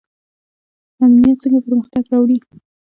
امنیت څنګه پرمختګ راوړي؟